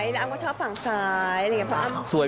เขาก็ชอบฝั่งซ้ายและอ้ำก็ชอบฝั่งซ้าย